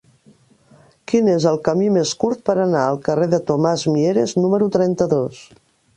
Quin és el camí més curt per anar al carrer de Tomàs Mieres número trenta-dos?